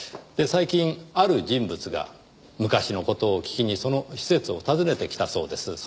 で最近ある人物が昔の事を聞きにその施設を訪ねてきたそうです。